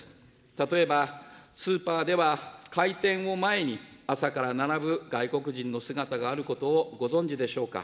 例えば、スーパーでは、開店を前に、朝から並ぶ外国人の姿があることをご存じでしょうか。